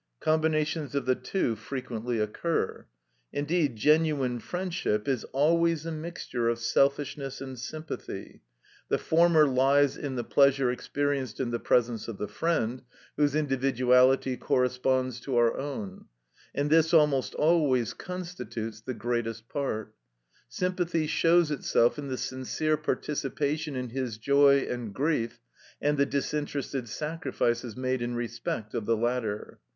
Combinations of the two frequently occur. Indeed genuine friendship is always a mixture of selfishness and sympathy; the former lies in the pleasure experienced in the presence of the friend, whose individuality corresponds to our own, and this almost always constitutes the greatest part; sympathy shows itself in the sincere participation in his joy and grief, and the disinterested sacrifices made in respect of the latter.